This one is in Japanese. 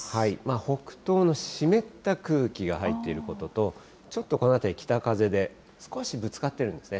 北東の湿った空気が入っていることと、ちょっとこの辺り北風で、少しぶつかってるんですね。